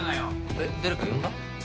えっ誰か呼んだ？